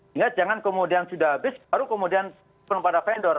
hingga jangan kemudian sudah habis baru kemudian penuh pada vendor